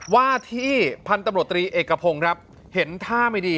วาที่พันธบตรีเอกพงครับเห็นท่าไม่ดี